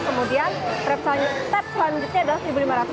kemudian tep selanjutnya adalah rp satu lima ratus